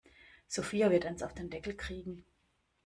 Sophia wird eins auf den Deckel kriegen.